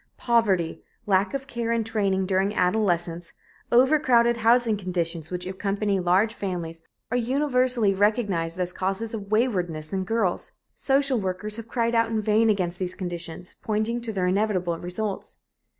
Poverty, lack of care and training during adolescence, overcrowded housing conditions which accompany large families are universally recognized causes of "waywardness" in girls. Social workers have cried out in vain against these conditions, pointing to their inevitable results.